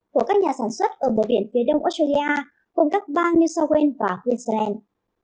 của các nhà sản xuất ở bờ biển phía đông australia gồm các bang new south wales và queensland